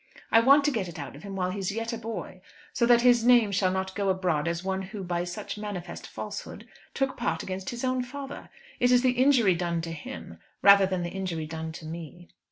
I want to get it out of him while he is yet a boy, so that his name shall not go abroad as one who, by such manifest falsehood, took part against his own father. It is the injury done to him, rather than the injury done to me."